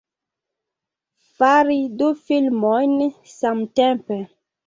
Fari du filmojn samtempe!